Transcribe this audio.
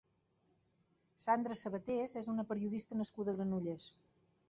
Sandra Sabatés és una periodista nascuda a Granollers.